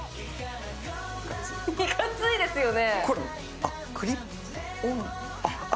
いかついですよね。